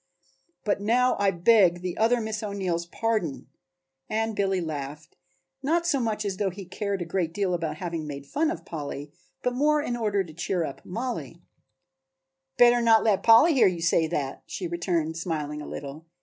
But now I beg the other Miss O'Neill's pardon," and Billy laughed, not so much as though he cared a great deal about having made fun of Polly, but more in order to cheer up Mollie. "Better not let Polly hear you say that," she returned, smiling a little.